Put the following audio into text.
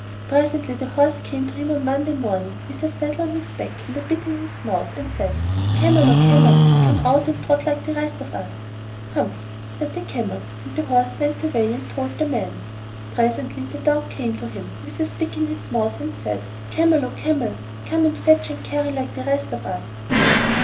Presently the Horse came to him on Monday morning, with a saddle on his back and a bit in his mouth, and said, 'Camel, O Camel, come out and trot like the rest of us.' 'Humph!' said the Camel; and the Horse went away and told the Man. Presently the Dog came to him, with a stick in his mouth, and said, 'Camel, O Camel, come and fetch and carry like the rest of us.